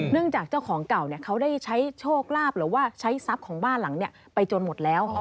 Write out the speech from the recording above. จากเจ้าของเก่าเขาได้ใช้โชคลาภหรือว่าใช้ทรัพย์ของบ้านหลังนี้ไปจนหมดแล้ว